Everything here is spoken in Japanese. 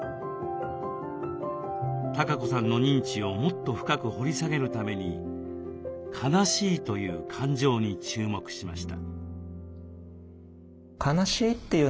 たかこさんの認知をもっと深く掘り下げるために「悲しい」という感情に注目しました。